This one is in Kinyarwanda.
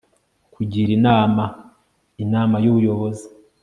kugira inama inama y'ubuyobozi